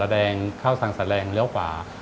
ข้างสระแดงเข้าสั่งสลัดแลงเลี้ยวขว่า